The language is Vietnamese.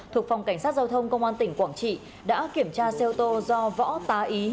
thuộc phòng cảnh sát giao thông công an tỉnh quảng trị đã kiểm tra xe ô tô do võ tá ý